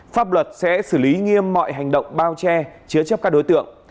pháp luật sẽ xử lý nghiêm mọi hành động bao che chứa chấp các đối tượng